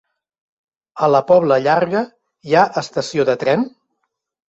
A la Pobla Llarga hi ha estació de tren?